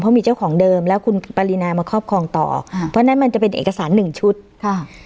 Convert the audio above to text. เพราะมีเจ้าของเดิมแล้วคุณปรินามาครอบครองต่ออ่าเพราะฉะนั้นมันจะเป็นเอกสารหนึ่งชุดค่ะ